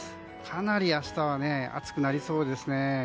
かなり明日は暑くなりそうですね。